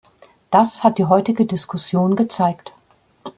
Das hat die heutige Diskussion gezeigt.